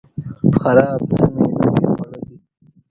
خراب څه می نه دي خوړلي